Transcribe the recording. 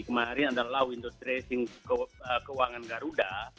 kemarin adalah windows tracing keuangan garuda